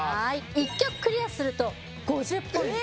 １曲クリアすると５０ポイント